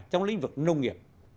trong lĩnh vực nông nghiệp